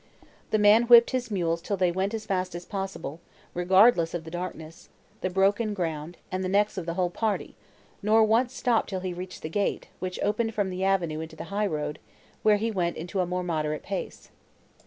The man whipped his mules till they went as fast as possible, regardless of the darkness, the broken ground, and the necks of the whole party, nor once stopped till he reached the gate, which opened from the avenue into the high road, where he went into a more moderate pace.